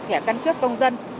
thẻ căn cướp công dân